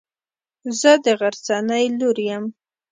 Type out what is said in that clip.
زه د غرڅنۍ لور يم.